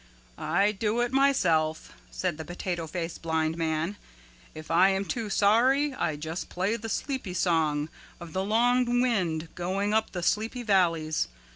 "I do it myself," said the Potato Face Blind Man. "If I am too sorry I just play the sleepy song of the long wind going up the sleepy valleys.